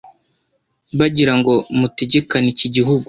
bagira ngo mutegekane iki gihugu